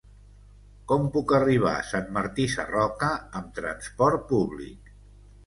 Com puc arribar a Sant Martí Sarroca amb trasport públic?